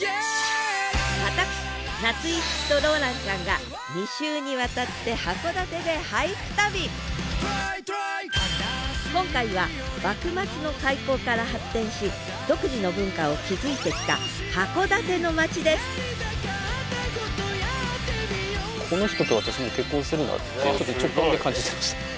私夏井いつきとローランちゃんが２週にわたって今回は幕末の開港から発展し独自の文化を築いてきた函館の町です直感で感じてました。